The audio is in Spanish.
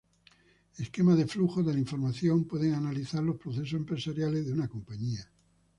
Esquemas de flujo de la información pueden analizar los procesos empresariales de una compañía.